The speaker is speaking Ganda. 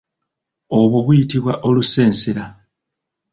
Obwo buyitibwa olusensera.